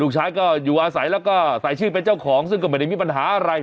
ชายก็อยู่อาศัยแล้วก็ใส่ชื่อเป็นเจ้าของซึ่งก็ไม่ได้มีปัญหาอะไร